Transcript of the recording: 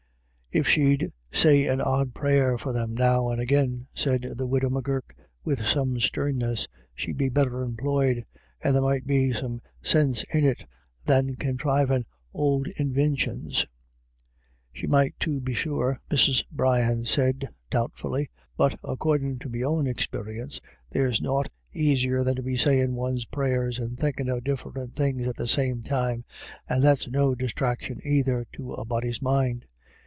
"If she'd say an odd prayer for them now and agin," said the widow M'Gurk with some sternness, " she'd be better employed, and there might be more sinse in it than conthrivin' ould invintions." " She might, to be sure," Mrs. Brian said, doubt fully, " but accordin' to me own experience there's nought aisier than to be sayin' one's prayers and thinkin' of diffrint things at the same time, and that's no disthraction aither to a body's mind.